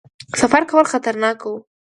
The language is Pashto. سفر کول خطرناک وو.